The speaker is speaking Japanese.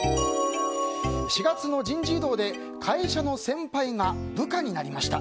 ４月の人事異動で会社の先輩が部下になりました。